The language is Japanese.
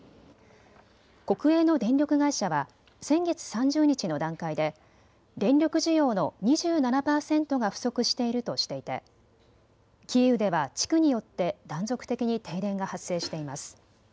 国営の電力会社は先月３０日の段階で電力需要の２７％が不足しているとしていてキーウでは地区によって断続的に停電が発生しています。